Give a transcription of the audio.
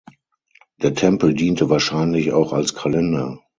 Der Tempel diente wahrscheinlich auch als Kalender.